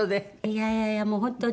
いやいやいや本当